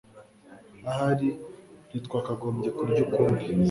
Ahari ntitwakagombye kurya ukundi